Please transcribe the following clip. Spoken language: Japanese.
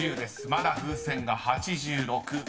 まだ風船が８６］